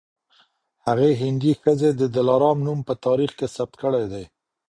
هغې هندۍ ښځې د دلارام نوم په تاریخ کي ثبت کړی دی